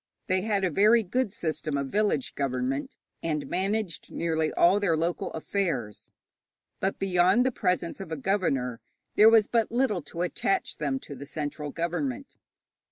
They had a very good system of village government, and managed nearly all their local affairs. But beyond the presence of a governor, there was but little to attach them to the central government.